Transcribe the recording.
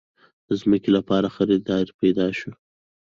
د ځمکې لپاره خريدار پېدا شو.